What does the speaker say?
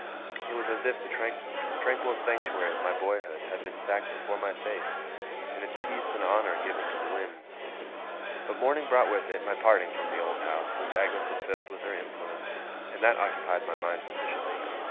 It was as if the tranquil sanctuary of my boyhood had been sacked before my face, and its peace and honour given to the winds. But morning brought with it my parting from the old house, which Agnes had filled with her influence; and that occupied my mind sufficiently.